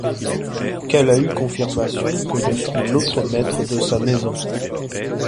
Qu’elle a eu confirmation que je suis l’autre maître de sa maison.